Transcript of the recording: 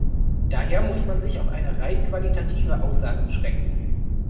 Daher muss man sich auf eine rein qualitative Aussage beschränken.